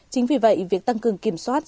chính vì vậy việc tăng cường kiểm soát